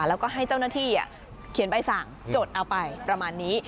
แล้วก็ให้เจ้าหน้าที่เขียนใบสั่งจดเอาไปประมาณนี้